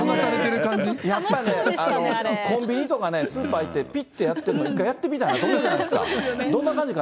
やっぱね、コンビニとかね、スーパー行って、ぴってやってるの、一回やってみたいじゃないですか、どうなんですか？